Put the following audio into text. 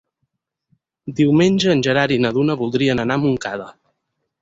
Diumenge en Gerard i na Duna voldrien anar a Montcada.